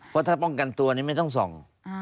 เพราะถ้าป้องกันตัวนี้ไม่ต้องส่อง